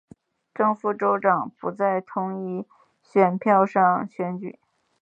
正副州长不在同一张选票上选举。